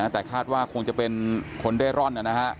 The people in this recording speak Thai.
แต่คาดว่าคงจะเป็นคนเร่ร่อน